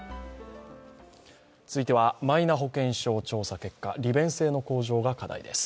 続いてはマイナ保険証調査結果、利便性の向上が課題です。